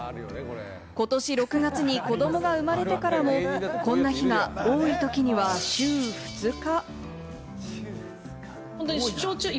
ことし６月に子どもが生まれてからも、こんな日が多いときには週２日。